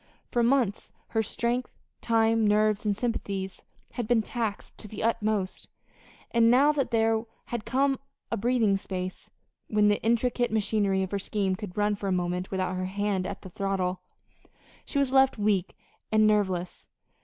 For months her strength, time, nerves, and sympathies had been taxed to the utmost; and now that there had come a breathing space, when the intricate machinery of her scheme could run for a moment without her hand at the throttle, she was left weak and nerveless.